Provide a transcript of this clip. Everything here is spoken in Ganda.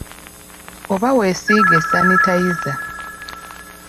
Oba weesiige sanitayiza.